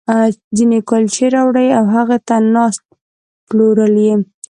ځينې کُلچې راوړي او هغې ته ناست، پلورل یې.